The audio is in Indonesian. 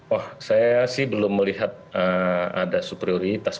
oh saya sih belum melihat ada superioritas